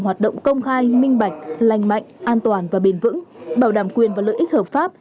hoạt động công khai minh bạch lành mạnh an toàn và bền vững bảo đảm quyền và lợi ích hợp pháp